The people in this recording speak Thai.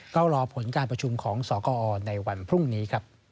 ก็รอผลการประชุมของสกอในวันพรุ่งนี้ครับ